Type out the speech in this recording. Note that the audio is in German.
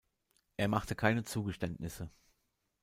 Er machte keine Zugeständnisse.